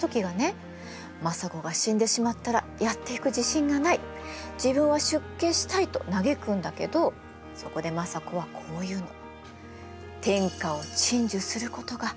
政子が死んでしまったらやっていく自信がない自分は出家したいと嘆くんだけどそこで政子はこういうの。